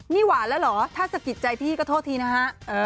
นี่หวานแล้วเหรอถ้าสะกิดใจพี่ก็โทษทีนะฮะ